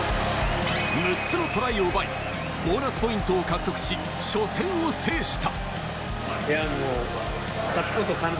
６つのトライを奪い、ボーナスポイントを獲得し、初戦を制した。